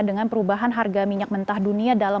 dengan perubahan harga minyak mentah dunia dalam